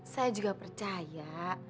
saya juga percaya